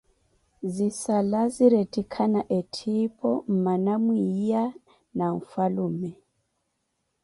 Zisala ziretikhana etthipi mmana mwiiya na nfhalume.